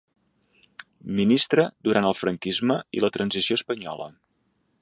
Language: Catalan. Ministre durant el franquisme i la transició espanyola.